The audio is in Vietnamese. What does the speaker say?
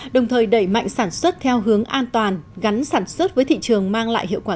đồng thời đẩy mạnh sản xuất theo hướng an toàn gắn sản xuất với thị trường mang lại hiệu quả